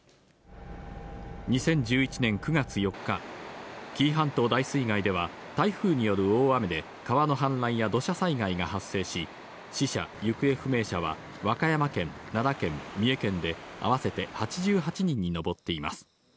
２０１１年９月４日、紀伊半島大水害では台風による大雨で川の氾濫や土砂災害が発生し、死者・行方不明者は和歌山県、奈良県、三重県で合わせて８８人に上っています。